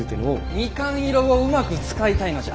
蜜柑色をうまく使いたいのじゃ！